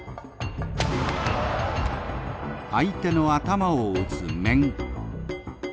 相手の頭を打つ「面」。